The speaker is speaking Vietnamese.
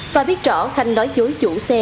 và biết rõ khanh nói dối chủ xe